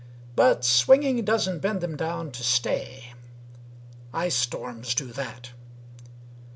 But swinging doesn't bend them down to stay. Ice storms do that.